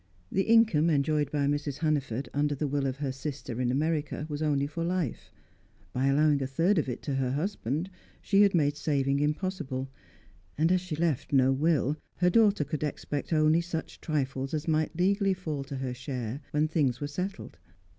The income enjoyed by Mrs. Hannaford under the will of her sister in America was only for life by allowing a third of it to her husband, she had made saving impossible, and, as she left no will, her daughter could expect only such trifles as might legally fall to her share when things were settled.